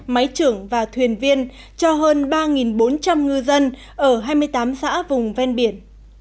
máy trưởng và thuyền viên cho hơn ba bốn trăm linh ngư dân ở hai mươi tám xã vùng ven biển